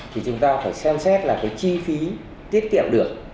thì chúng ta phải xem xét là cái chi phí tiết kiệm được